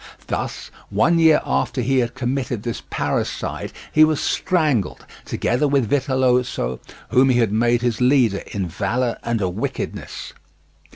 Thus one year after he had committed this parricide, he was strangled, together with Vitellozzo, whom he had made his leader in valour and wickedness.